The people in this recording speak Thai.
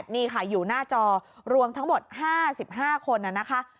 นี่ค่ะอยู่หน้าจอรวมทั้งหมด๕๕คนนะคะ